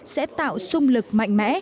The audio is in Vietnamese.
sẽ tạo xung lực mạnh mẽ